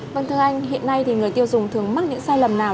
vâng thưa anh hiện nay thì người tiêu dùng thường mắc những sai lầm nào